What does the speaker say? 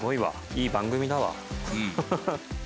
いい番組だわ。